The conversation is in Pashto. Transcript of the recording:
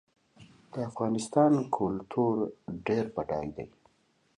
د افغانستان کلتور ډېر بډای دی.